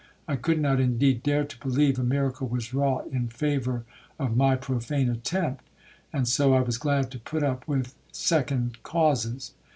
I could not indeed dare to believe a miracle was wrought in favour of my profane attempt, and so I was glad to put up with second causes.